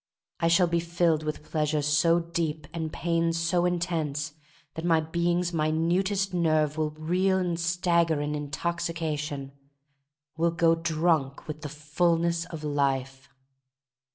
I shall be filled with pleasure so deep and pain so intense that my being's minutest nerve will reel and stagger in intoxication, will go drunk with the fullness of Life.